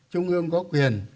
trung ương có quyền